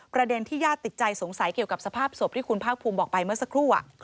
ประเด็นที่ญาติติดใจสงสัยเกี่ยวกับสภาพศพที่คุณภาคภูมิบอกไปเมื่อสักครู่